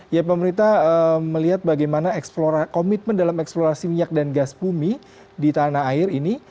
ya pemerintah melihat bagaimana komitmen dalam eksplorasi minyak dan gas bumi di tanah air ini